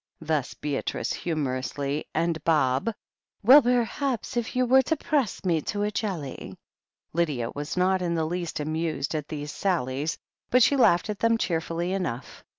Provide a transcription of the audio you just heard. Thus Beatrice, humorously. And Bob: "Well, perhaps — if you were to press me to a jelly " Lydia was not in the least amused at these sallies, but she laughed at them cheerfully enough.